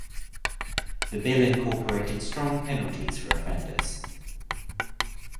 The bill incorporated strong penalties for offenders.